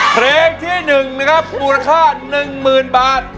เพลงที่๑นะครับมูลค่า๑๐๐๐บาท